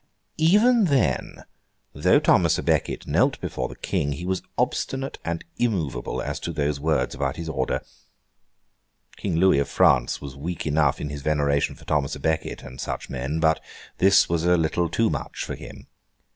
Even then, though Thomas à Becket knelt before the King, he was obstinate and immovable as to those words about his order. King Louis of France was weak enough in his veneration for Thomas à Becket and such men, but this was a little too much for him.